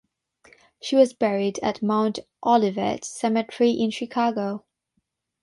She was buried at Mount Olivet Cemetery in Chicago.